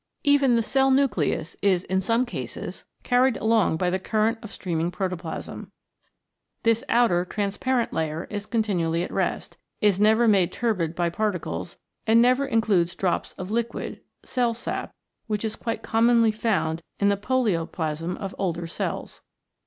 Even the cell nucleus is in some cases carried along by the current of stream ing protoplasm. This outer transparent layer is continually at rest, is never made turbid by particles, and never includes drops of liquid, cell sap, which is quite commonly found in the polio plasm of older cells.